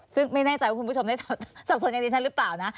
ซึ่งไม่แน่ใจว่าคุณผู้ชมได้สับสนอย่างดิฉันหรือเปล่านะ